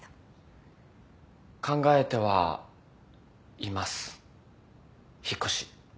考えてはいます引っ越し。